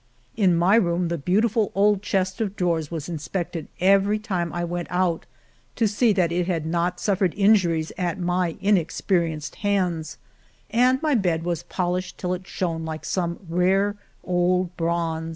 In my room the beautiful old chest of drawers was inspected every time I went out, to see that it had not suffered injuries at my inexperienced hands, and my bed was polished till it shone like some rare old bronze.